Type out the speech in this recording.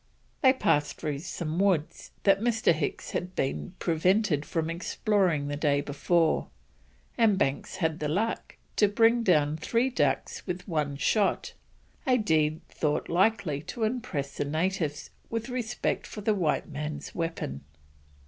They passed through some woods that Mr. Hicks had been prevented from exploring the day before, and Banks had the luck to bring down three ducks with one shot, a deed thought likely to impress the natives with respect for the white man's weapon.